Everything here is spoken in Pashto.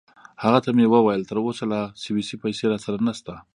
هغه ته مې وویل: تراوسه لا سویسی پیسې راسره نشته.